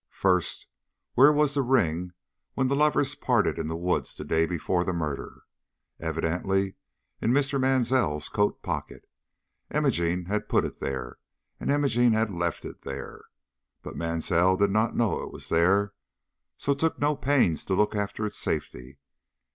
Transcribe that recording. First, where was the ring when the lovers parted in the wood the day before the murder? Evidently in Mr. Mansell's coat pocket. Imogene had put it there, and Imogene had left it there. But Mansell did not know it was there, so took no pains to look after its safety.